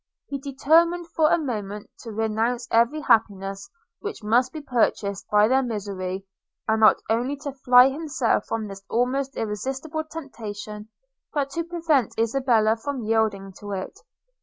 He determined for a moment to renounce every happiness which must be purchased by their misery, and not only to fly himself from this almost irresistible temptation, but to prevent Isabella from yielding to it.